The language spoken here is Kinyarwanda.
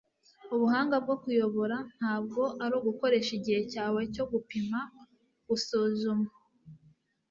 ubuhanga bwo kuyobora ntabwo ari ugukoresha igihe cyawe cyo gupima, gusuzuma